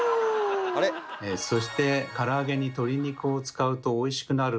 そしてから揚げに鶏肉を使うとおいしくなる